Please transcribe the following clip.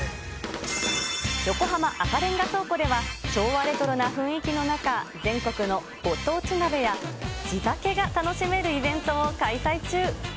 横浜赤レンガ倉庫では、昭和レトロな雰囲気の中、全国のご当地鍋や、地酒が楽しめるイベントを開催中。